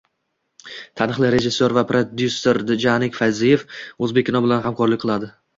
Taniqli rejissyor va prodyuser Djanik Fayziyev Oʻzbekkino bilan hamkorlik qiladi